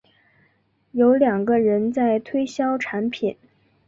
有两个人在推销产品